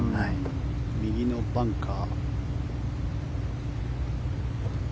右のバンカー。